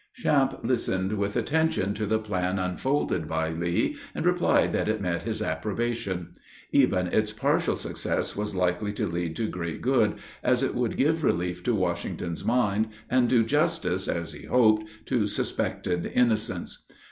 Champe listened with attention to the plan unfolded by Lee, and replied that it met his approbation. Even its partial success was likely to lead to great good, as it would give relief to Washington's mind, and do justice, as he hoped, to suspected innocence.